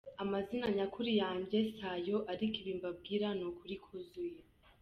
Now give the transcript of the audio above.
Amazina nyakuri yange si ayo ariko ibi mbabwira ni ukuri kuzuye.